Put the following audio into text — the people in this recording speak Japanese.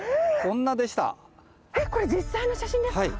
えっこれ実際の写真ですか？